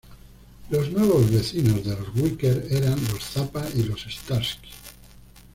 Los nuevos vecinos de los Whiskers eran los Zappa y los Starsky.